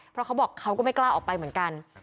เพราะเขาบอกเขาก็ไม่กล้าออกไปเหมือนกัน